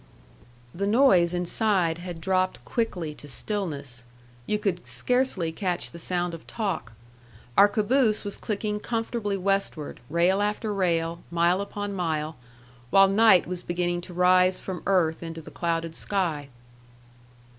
The noise inside had dropped quickly to stillness. You could scarcely catch the sound of talk. Our caboose was clicking comfortably westward, rail after rail, mile upon mile, while night was beginning to rise from earth into the clouded sky.